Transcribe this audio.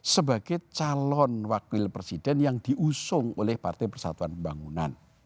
sebagai calon wakil presiden yang diusung oleh partai persatuan pembangunan